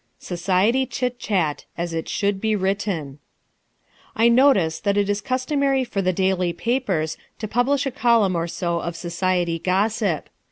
Society Chit Chat AS IT SHOULD BE WRITTEN I notice that it is customary for the daily papers to publish a column or so of society gossip.